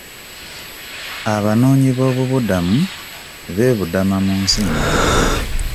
Abanoonyiboobubudamu beebudama mu nsi ndala.